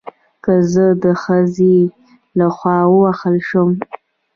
که زه د خځې له خوا ووهل شم